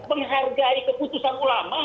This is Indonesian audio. menghargai keputusan ulama